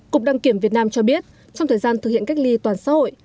cục đăng kiểm việt nam cho biết trong thời gian thực hiện cách ly toàn xã hội